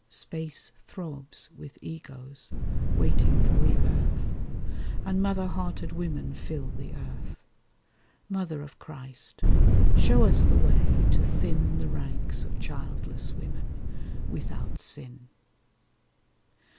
Space throbs with egos, waiting for rebirth; And mother hearted women fill the earth. Mother of Christ, show us the way to thin The ranks of childless women, without sin.